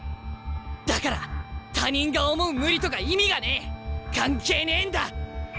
だから他人が思う無理とか意味がねえ関係ねえんだ！